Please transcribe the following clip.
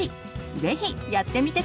ぜひやってみて下さい。